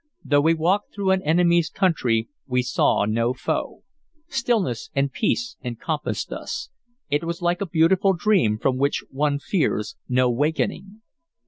Though we walked through an enemy's country we saw no foe. Stillness and peace encompassed us; it was like a beautiful dream from which one fears no wakening.